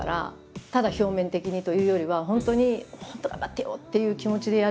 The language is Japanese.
ただ表面的にというよりは本当に「本当頑張ってよ！」っていう気持ちでやる。